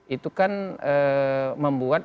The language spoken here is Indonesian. itu kan membuat